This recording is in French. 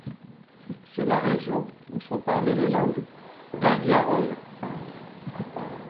C'est la région où sont parlées les langues rGyalrong.